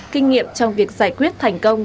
kinh nghiệm trong việc giải quyết thành công